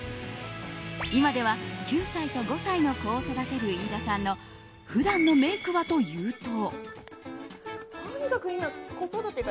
今では９歳と５歳の子を育てる飯田さんの普段のメイクはというと。